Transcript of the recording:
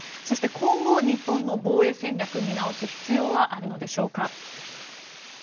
そして今後の日本の防衛戦略を見直す必要はあるのでしょうか。